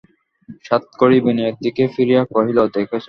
সাতকড়ি বিনয়ের দিকে ফিরিয়া কহিল, দেখেছ!